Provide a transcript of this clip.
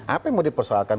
apa yang mau dipersoalkan